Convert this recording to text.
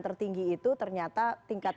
tertinggi itu ternyata tingkat